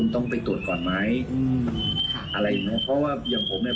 ต้องไปตรวจก่อนไหมอืมค่ะอะไรอย่างนู้นเพราะว่าอย่างผมเนี้ย